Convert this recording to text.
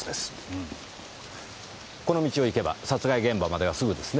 この道を行けば殺害現場まではすぐですね。